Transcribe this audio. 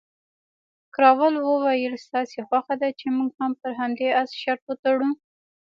کراول وویل، ستاسې خوښه ده چې موږ هم پر همدې اس شرط وتړو؟